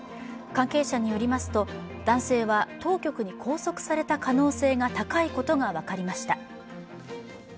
関係者によりますと男性は当局に拘束された可能性が高いことが分かりました。